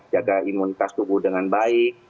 jaga imunitas tubuh dengan baik